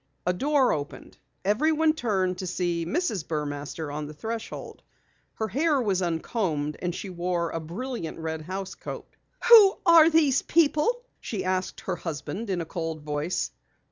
A door opened. Everyone turned to see Mrs. Burmaster on the threshold. Her hair was uncombed and she wore a brilliant red housecoat. "Who are these people?" she asked her husband in a cold voice.